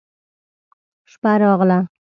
شپه راغله.